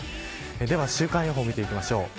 では週間予報、見ていきましょう。